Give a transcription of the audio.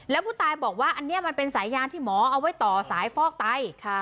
แล้วผู้ตายบอกว่าอันนี้มันเป็นสายยานที่หมอเอาไว้ต่อสายฟอกไต